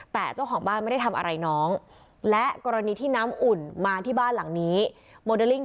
แต่เจ้าของบ้านไม่ได้ทำอะไรน้องและกรณีที่น้ำอุ่นมาที่บ้านหลังนี้โมเดลลิ่ง